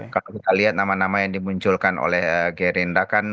kalau kita lihat nama nama yang dimunculkan oleh gerindra kan